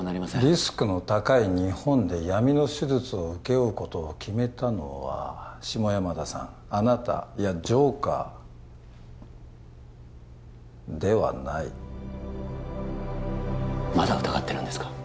リスクの高い日本で闇の手術を請け負うことを決めたのは下山田さんあなたいやジョーカーではないまだ疑ってるんですか？